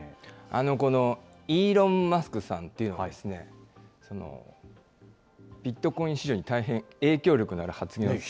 このイーロン・マスクさんというのはですね、ビットコイン市場に大変影響力のある発言をして。